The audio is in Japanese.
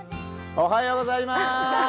おはようございます。